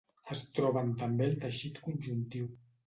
Es troben també al teixit conjuntiu.